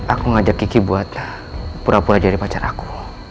aku mengajak kiki untuk pura pura jadi pacar aku